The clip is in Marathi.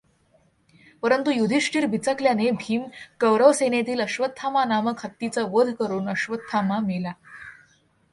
पंरतु युधिष्ठिर बिचकल्याने भीम कौरवसेनेतील अश्वत्थामा नामक हत्तीचा वध करून अश्वत्थामा मेला!